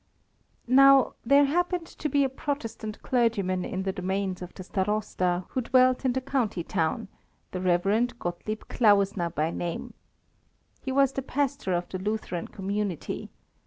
Now, there happened to be a Protestant clergyman in the domains of the Starosta who dwelt in the county town, the Rev. Gottlieb Klausner by name. He was the pastor of the Lutheran community.